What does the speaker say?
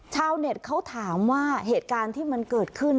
ชาวเน็ตเขาถามว่าเหตุการณ์ที่มันเกิดขึ้น